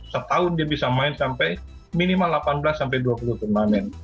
setahun dia bisa main sampai minimal delapan belas sampai dua puluh turnamen